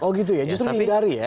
oh gitu ya justru menghindari ya